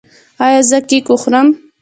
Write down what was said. ایا زه کیک وخورم؟